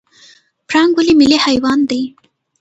پړانګ ولې ملي حیوان دی؟